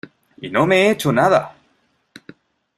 ¡ y no me he hecho nada!